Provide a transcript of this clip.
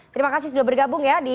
terima kasih sudah bergabung ya